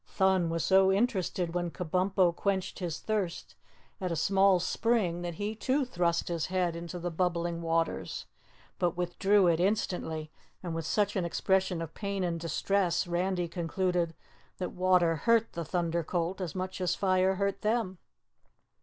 Thun was so interested when Kabumpo quenched his thirst at a small spring that he too thrust his head into the bubbling waters, but withdrew it instantly and with such an expression of pain and distress Randy concluded that water hurt the Thunder Colt as much as fire hurt them.